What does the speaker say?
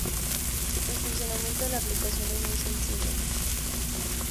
El funcionamiento de la aplicación es muy sencillo.